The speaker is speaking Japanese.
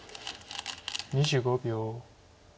２５秒。